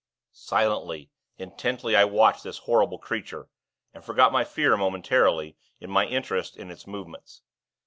Silently, intently, I watched this horrible creature, and forgot my fear, momentarily, in my interest in its movements.